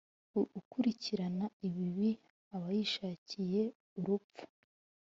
ukurikirana ibibi aba yishakiye urupfu